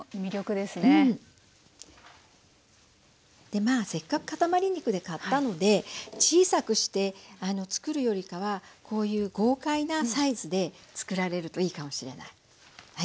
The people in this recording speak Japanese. でまあせっかくかたまり肉で買ったので小さくして作るよりかはこういう豪快なサイズで作られるといいかもしれない。